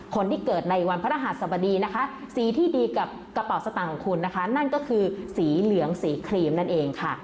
คนที่เกิดในวันพระรหัสสบดีนะคะสีที่ดีกับกระเป๋าสตางค์ของคุณนะคะนั่นก็คือสีเหลืองสีครีมนั่นเองค่ะ